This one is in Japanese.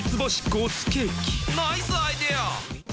ナイスアイデア！